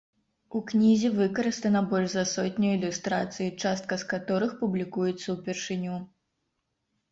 У кнізе выкарыстана больш за сотню ілюстрацый, частка з каторых публікуецца ўпершыню.